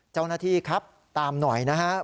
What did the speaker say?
เจ้าหน้าที่ครับตามหน่อยนะครับ